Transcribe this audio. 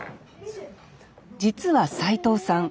実は斎藤さん